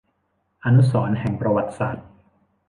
อนุสรณ์แห่งประวัติศาสตร์